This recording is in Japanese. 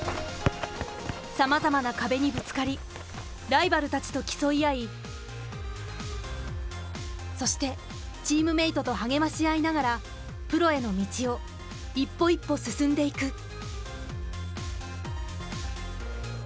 さまざまな壁にぶつかりライバルたちと競い合いそしてチームメートと励まし合いながらプロへの道を一歩一歩進んでいく。